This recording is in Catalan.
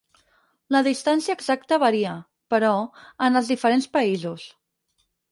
La distància exacta varia, però, en els diferents països.